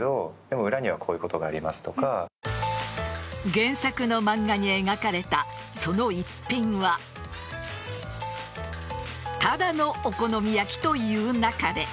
原作の漫画に描かれたその逸品はただのお好み焼きというなかれ。